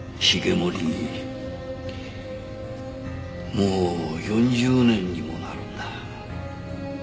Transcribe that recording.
もう４０年にもなるんだ。